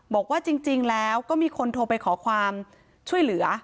บอกว่าจริงแล้วก็มีคนโทรไปขอความช่วยเหลือ